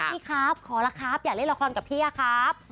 พี่ครับขอละครับอย่าเล่นละครกับพี่อะครับ